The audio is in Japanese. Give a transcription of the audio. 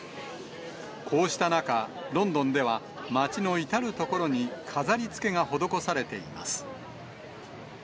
こうした中、ロンドンでは街の至る所に飾りつけが施されています。